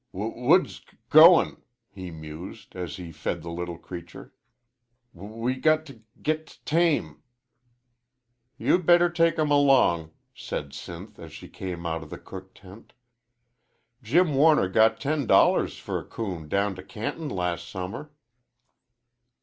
"W woods g goin'," he mused, as he fed the little creature. "W we got t' git t tame." "You better take him along," said Sinth, as she came out of the cook tent. "Jim Warner got ten dollars for a coon down to Canton las' summer."